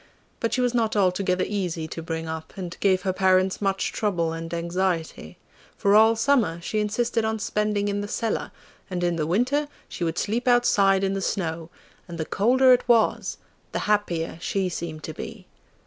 But she was not altogether easy to bring up, and gave her parents much trouble and anxiety, for all summer she insisted on spending in the cellar, and in the winter she would sleep outside in the snow, and the colder it was the happier she seemed to be.